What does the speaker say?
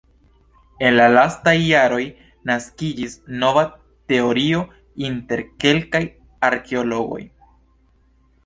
En la lastaj jaroj naskiĝis nova teorio inter kelkaj arkeologoj.